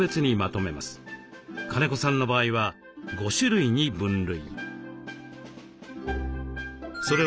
金子さんの場合は５種類に分類。